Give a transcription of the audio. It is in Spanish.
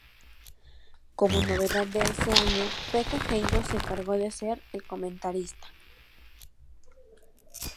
Como novedad de ese año, Pekka Heino se encargó de ser el comentarista.